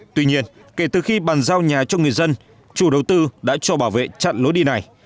tuy nhiên kể từ khi bàn giao nhà cho người dân chủ đầu tư đã cho bảo vệ chặn lối đi này